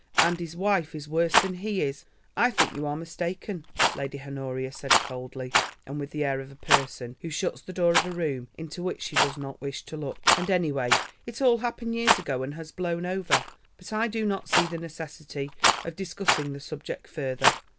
And his wife is worse than he is——" "I think you are mistaken," Lady Honoria said coldly, and with the air of a person who shuts the door of a room into which she does not wish to look. "And, any way, it all happened years ago and has blown over. But I do not see the necessity of discussing the subject further.